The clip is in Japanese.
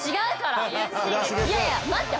いやいや待って。